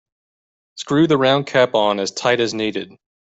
Screw the round cap on as tight as needed.